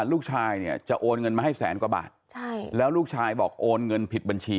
ลูกชายเนี่ยจะโอนเงินมาให้แสนกว่าบาทใช่แล้วลูกชายบอกโอนเงินผิดบัญชี